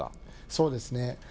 そうですね。